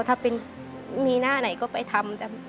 ถ้ามีหน้าไหนก็ไปทำจ้ะ